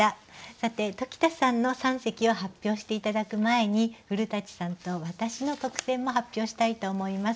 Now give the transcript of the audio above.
さて鴇田さんの三席を発表して頂く前に古さんと私の特選も発表したいと思います。